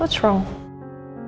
apa yang salah